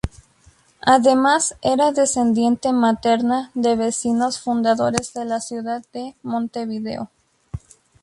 Además era descendiente materna de vecinos fundadores de la ciudad de Montevideo.